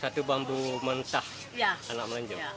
satu bambu mentah anak melenjok